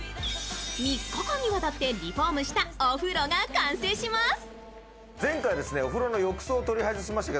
３日間にわたってリフォームしたお風呂が完成します。